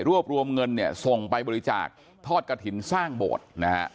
รวบรวมเงินเนี่ยส่งไปบริจาคทอดกระถิ่นสร้างโบสถ์นะฮะ